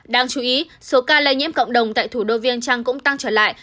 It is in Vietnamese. đáng chú ý số ca lây nhiễm cộng đồng tại thủ đô viên trăng cũng tăng trở lại